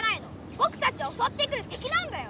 ボクたちをおそってくるてきなんだよ！